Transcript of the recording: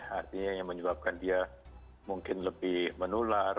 artinya yang menyebabkan dia mungkin lebih menular